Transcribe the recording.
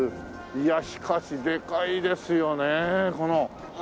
いやしかしでかいですよねこの。